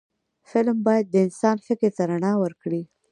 فلم باید د انسان فکر ته رڼا ورکړي